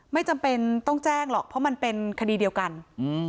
ไม่จำเป็นต้องแจ้งหรอกเพราะมันเป็นคดีเดียวกันอืม